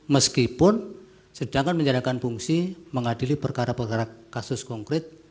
meskipun sedangkan menjalankan fungsi mengadili perkara perkara kasus konkret